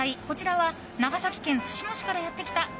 こちらは長崎県対馬市からやってきた